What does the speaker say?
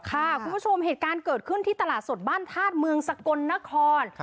คุณผู้ชมเหตุการณ์เกิดขึ้นที่ตลาดสดบ้านธาตุเมืองสกลนคร